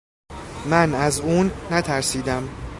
من از اون نترسیدم...